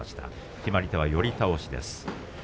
決まり手は寄り倒しです。